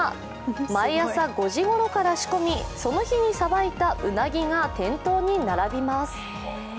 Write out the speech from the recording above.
毎朝５時ごろから仕込みその日にさばいたうなぎが店頭に並びます。